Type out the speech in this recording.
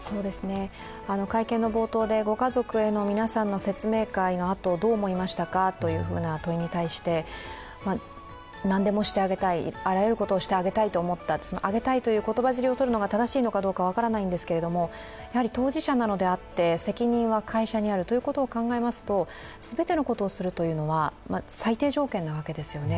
会見の冒頭で、ご家族への皆さんの説明会のあとどう思いましたかというふうな問いに対して何でもしてあげたい、あらゆることをしてあげたいと思った、あげたいという言葉尻をとるのが正しいのかどうか分からないんですけれども、当事者なのであって責任は会社にあるということを考えますと全てのことをするというのは最低条件なわけですよね。